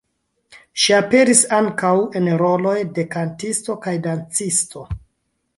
Ŝi aperis ankaŭ en roloj de kantisto kaj dancisto.